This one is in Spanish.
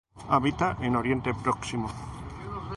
Habita en Oriente Próximo.